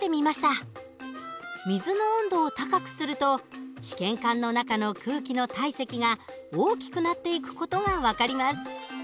水の温度を高くすると試験管の中の空気の体積が大きくなっていく事が分かります。